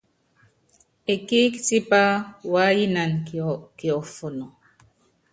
Ekíík tipá waáyinan kiɔfɔnɔ.